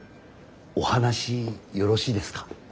お話よろしいですか。